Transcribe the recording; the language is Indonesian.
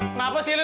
kenapa sih lin